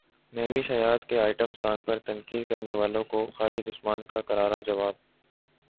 مہوش حیات کے item song پر تنقید کرنے والوں کو خالد عثمان کا کرارا جواب